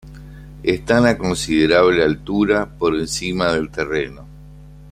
Están a considerable altura por encima del terreno.